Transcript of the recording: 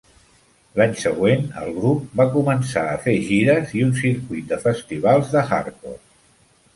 L'any següent, el grup va començar a fer gires i un circuit de festivals de hardcore.